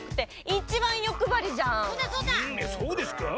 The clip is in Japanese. そうですか？